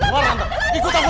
keluar tante ikut aku